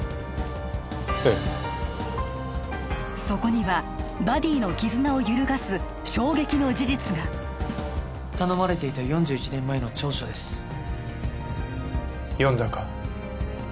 ええそこにはバディの絆を揺るがす衝撃の事実が頼まれていた４１年前の調書です読んだか？